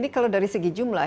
kalau dari segi jumlah